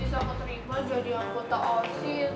bisa aku terima jadi orang kota osin